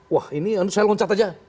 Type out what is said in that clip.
wah ini saya loncat aja